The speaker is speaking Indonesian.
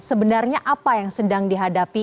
sebenarnya apa yang sedang dihadapi